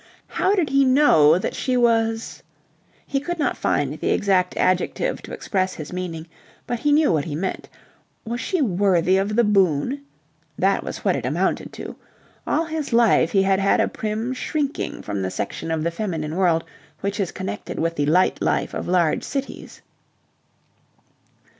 How did he know what she was he could not find the exact adjective to express his meaning, but he knew what he meant. Was she worthy of the boon? That was what it amounted to. All his life he had had a prim shrinking from the section of the feminine world which is connected with the light life of large cities.